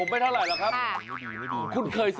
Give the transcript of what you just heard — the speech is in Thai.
อ๊าย